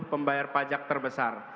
lima puluh pembayar pajak terbesar